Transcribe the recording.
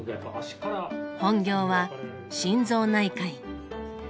本業は心臓内科医。